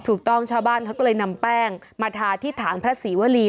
ถูกต้องชาวบ้านเขาก็เลยนำแป้งมาทาที่ถางพระศรีวรี